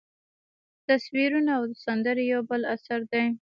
تصویرونه او سندرې یو بل اثر دی.